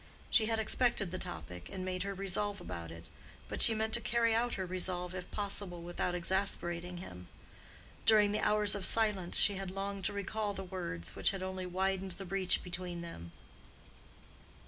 She had expected the topic, and made her resolve about it. But she meant to carry out her resolve, if possible, without exasperating him. During the hours of silence she had longed to recall the words which had only widened the breach between them.